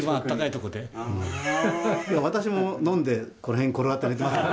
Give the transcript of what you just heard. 私も飲んでこの辺転がったりとか。